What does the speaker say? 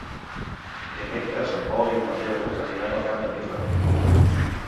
Dimecres en Pol i en Mateu aniran al Camp de Mirra.